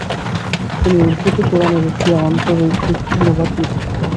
তিনি উর্দুতে কুরআনের একটি আন্তঃরৈখিক অনুবাদ লিখেছিলেন।